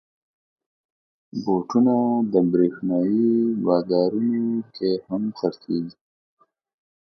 بوټونه د برېښنايي بازارونو کې هم خرڅېږي.